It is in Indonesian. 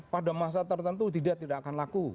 pada masa tertentu tidak akan laku